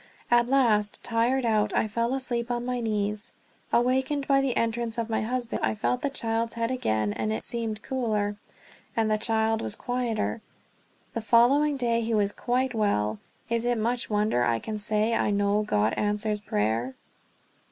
At last, tired out, I fell asleep on my knees. Awakened by the entrance of my husband, I felt the child's head again and it seemed cooler, and the child quieter. The following day he was quite well. Is it much wonder I can say I know God answers prayer?